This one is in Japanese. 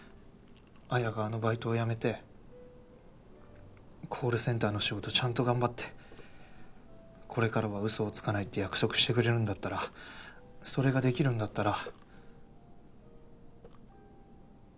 彩があのバイトを辞めてコールセンターの仕事をちゃんと頑張ってこれからはうそをつかないって約束してくれるんだったらそれができるんだったら。